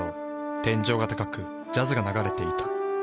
天井が高くジャズが流れていた。